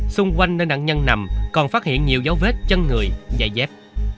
xung quanh nơi nạn nhân nằm còn phát hiện nhiều dấu vết chân người già dép